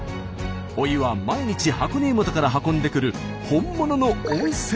お湯は毎日箱根湯本から運んでくる本物の温泉。